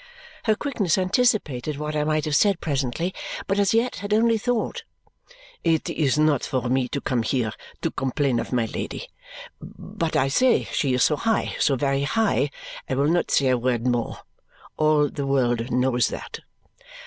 Her quickness anticipated what I might have said presently but as yet had only thought. "It is not for me to come here to complain of my Lady. But I say she is so high, so very high. I will not say a word more. All the world knows that."